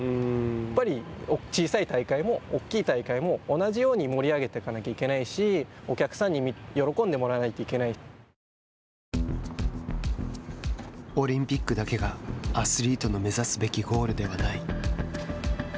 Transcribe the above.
やっぱり、小さい大会も大きい大会も同じように盛り上げていかなきゃいけないしお客さんにオリンピックだけがアスリートの目指すべきゴールではない。